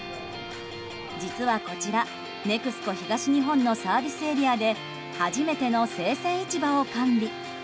実はこちら、ＮＥＸＣＯ東日本のサービスエリアで初めての生鮮市場を完備。